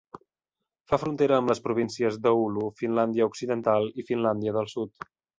Fa frontera amb les províncies d'Oulu, Finlàndia Occidental i Finlàndia del Sud.